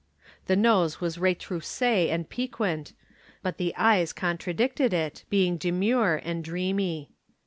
The nose was retroussé and piquant, but the eyes contradicted it, being demure and dreamy.